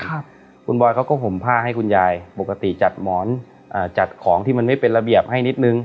ครับคุณบอยเขาก็ห่มผ้าให้คุณยายปกติจัดหมอนอ่าจัดของที่มันไม่เป็นระเบียบให้นิดนึง